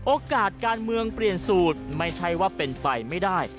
โอกาสการเมืองเปลี่ยนสูตรไม่ใช่ว่าเป็นไปไม่ได้